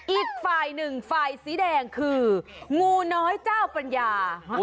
อีกไฟล์หนึ่งไฟล์สีแดงคืองูน้อยเจ้าปัญญา